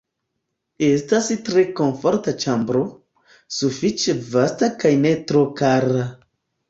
Estas tre komforta ĉambro, sufiĉe vasta kaj ne tro kara.